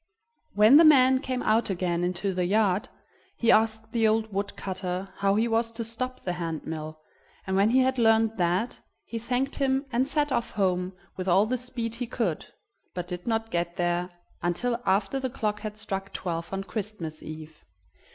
When the man came out again into the yard, he asked the old wood cutter how he was to stop the hand mill, and when he had learned that, he thanked him and set off home with all the speed he could, but did not get there until after the clock had struck twelve on Christmas Eve.